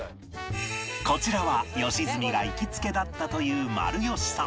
こちらは良純が行きつけだったというまるよしさん